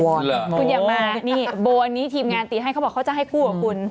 คุณอย่ามานี่โบอันนี้ทีมงานตีให้เขาบอกเขาจะให้คู่กับคุณ